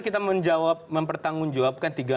kita menjawab mempertanggungjawabkan tiga